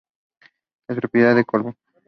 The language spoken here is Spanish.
Es propiedad de Colbún.